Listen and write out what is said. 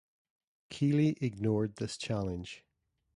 Keely ignored this challenge.